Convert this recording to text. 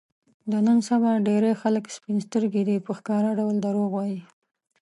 د نن سبا ډېری خلک سپین سترګي دي، په ښکاره ډول دروغ وايي.